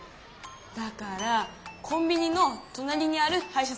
だからコンビニのとなりにあるはいしゃさんだよ。